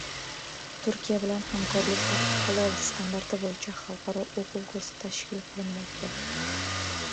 Turkiya bilan hamkorlikda "Halol" standarti bo‘yicha xalqaro o‘quv kursi tashkil qilinmoqda